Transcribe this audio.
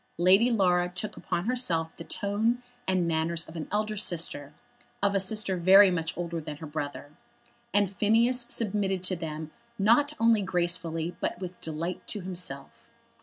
Lady Laura took upon herself the tone and manners of an elder sister, of a sister very much older than her brother, and Phineas submitted to them not only gracefully but with delight to himself.